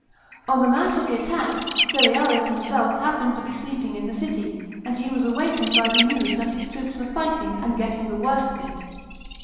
On the night of the attack Cereali? himself happened to be sleeping in the city, and he was awakened by the news that his troops were fighting, and getting the worst of it.